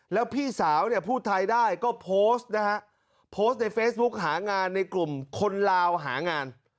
แล้วพี่สาวเนี่ยพูดไทยได้ก็โพสต์นะฮะโพสต์ในเฟซบุ๊กหางานในกลุ่มคนลาวหางาน